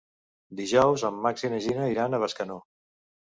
Dijous en Max i na Gina iran a Bescanó.